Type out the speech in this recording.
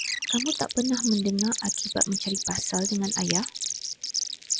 Kamu tak pernah mendengar akibat mencari pasal dengan ayah?